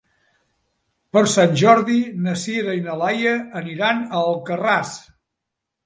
Per Sant Jordi na Sira i na Laia aniran a Alcarràs.